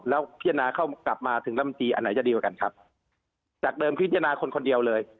แล้วพิจารณาเข้ามาถึงลำตีอันไหนจะดีกว่ากันครับจากเดิมพิจารณาคนคนเดียวเลย